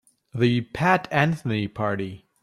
The Pat Anthony Party.